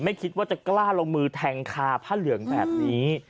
ไม่คิดว่าจะกล้าลงมือแทงคาผ้าเหลืองแบบนี้